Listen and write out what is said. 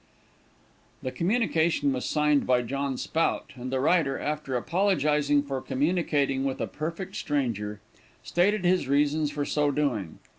B. The communication was signed by John Spout, and the writer, after apologizing for communicating with a perfect stranger, stated his reasons for so doing.